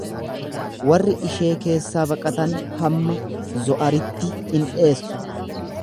Warri ishee keessaa baqatan hamma Zo'aritti ni dheessu.